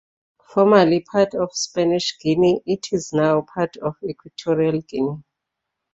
Formerly part of Spanish Guinea, it is now part of Equatorial Guinea.